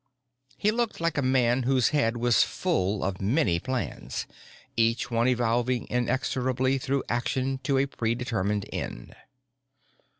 He looked like a man whose head was full of many plans, each one evolving inexorably through action to a predetermined end.